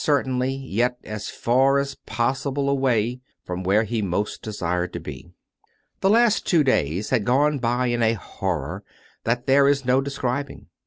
certainly, yet as far as possible away from where he most desired to be. The last two days had gone by in a horror that there is no describing.